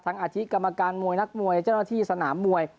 อาทิตกรรมการมวยนักมวยเจ้าหน้าที่สนามมวย